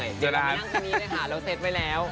เดี๋ยวเรามานั่งทีนี้เลยค่ะเราเซตไปแล้ว